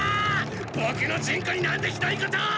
ボクのジュンコになんてひどいことを！